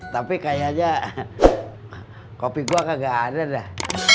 tapi kayaknya kopi gua gak ada dah